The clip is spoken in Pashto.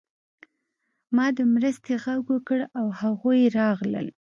ما د مرستې غږ وکړ او هغوی راغلل